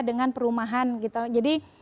dengan perumahan gitu jadi